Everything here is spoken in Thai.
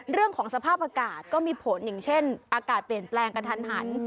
เรื่องของสภาพอากาศก็มีผลอย่างเช่นอากาศเปลี่ยนแปลงกระทันหัน